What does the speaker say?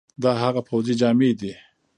دا هغه پوځي جامي دي،